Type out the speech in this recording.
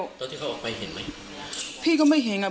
ตอนที่เขาออกไปเห็นไหม